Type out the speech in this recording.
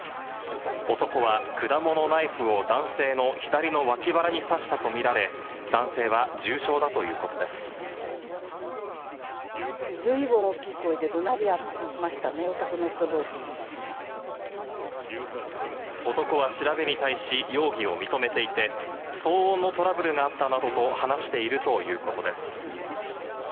男は果物ナイフを男性の左の脇腹に刺したと見られ、男性は重傷だずいぶん大きい声でどなり合男は調べに対し、容疑を認めていて、騒音のトラブルがあったなどと話しているということです。